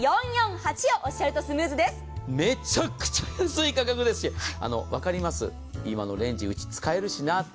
めちゃくちゃ安い価格ですし、分かります、今のレンジ、うち使えるしなと。